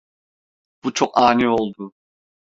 Bu çok ani oldu.